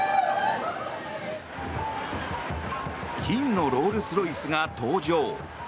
金のロールスロイスが登場。